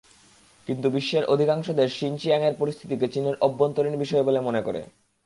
কিন্তু বিশ্বের অধিকাংশ দেশ শিনচিয়াংয়ের পরিস্থিতিকে চীনের অভ্যন্তরীণ বিষয় বলে মনে করে।